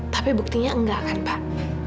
tapi buktinya enggak kan pak